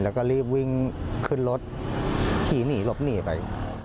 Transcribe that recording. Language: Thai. แล้วก็รีบวิ่งขึ้นรถขี่หนีหลบหนีไป